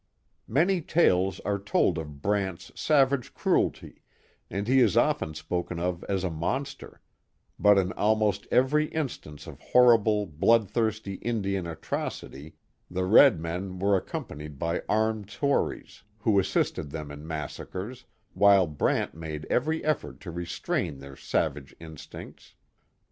Many tales are told of Brant's savage cruelty, and he is often spoken of as a monster; but in almost every instance of horrible, bloodthirsty Indian atrocity the red men were accompanied by armed Tories, who assisted them in massa cres, while Brant made every effort to restrain their savage instincts.